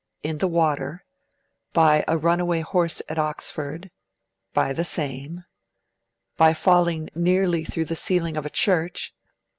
(2) In the water. (3) By a runaway horse at Oxford. (4) By the same. (5) By falling nearly through the ceiling of a church.